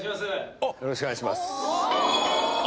よろしくお願いします